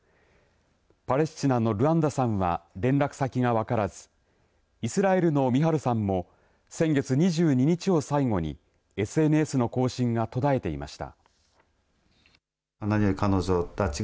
パレスチナのルアンダさんは連絡先が分からずイスラエルのミハルさんも先月２２日を最後にＳＮＳの更新が途絶えていました。